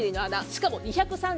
しかも２３９個。